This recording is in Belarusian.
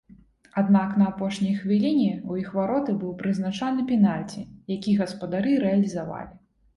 Аднак на апошняй хвіліне ў іх вароты быў прызначаны пенальці, які гаспадары рэалізавалі.